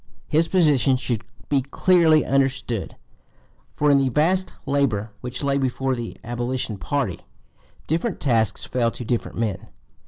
His position should be clearly understood; for in the vast labor which lay before the abolition party different tasks fell to different men.